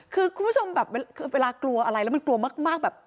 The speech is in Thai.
คือคุณผู้ชมแบบคือเวลากลัวอะไรแล้วมันกลัวมากแบบ